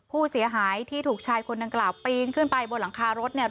ผู้เสียหายที่ถูกชายคนดังกล่าวปีนขึ้นไปบนหลังคารถเนี่ย